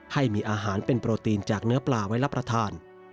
ให้มีอาหารเป็นโปรตีนจากเนื้อปลาไว้รับประทาน